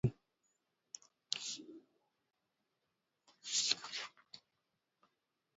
موږ باید ټولنپوهان یوازې اجیران ونه ګڼو.